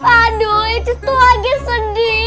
aduh itu tuh lagi sedih